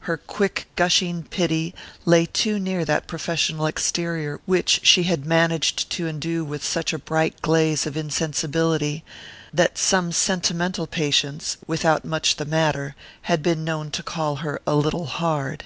Her quick gushing pity lay too near that professional exterior which she had managed to endue with such a bright glaze of insensibility that some sentimental patients without much the matter had been known to call her "a little hard."